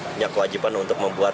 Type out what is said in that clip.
punya kewajiban untuk membuat